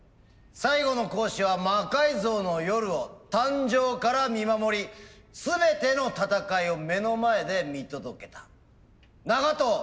最後の講師は「魔改造の夜」を誕生から見守り全ての戦いを目の前で見届けた長藤圭介講師だ。